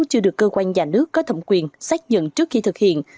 chưa được cơ quan nhà nước có thẩm quyền xác nhận trước khi thực hiện